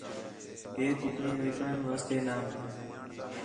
ہے کُکڑیں وِکݨ واسطے نان